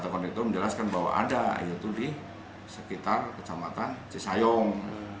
konduktor menjelaskan bahwa ada yaitu di sekitar kecamatan cisayong